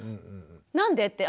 何で？って。